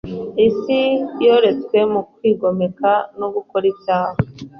isi yoretswe mu kwigomeka no gukora ibyaha.